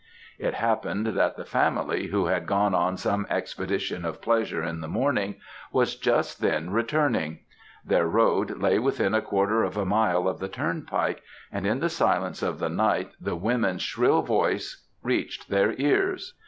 "It happened, that the family, who had gone on some expedition of pleasure in the morning, was just then returning; their road lay within a quarter of a mile of the turnpike; and in the silence of the night, the women's shrill voice reached their ears.